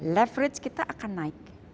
leverage kita akan naik